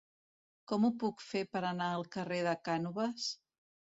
Com ho puc fer per anar al carrer de Cànoves?